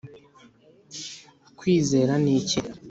kwizera niki